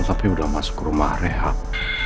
tapi sudah masuk rumah rehat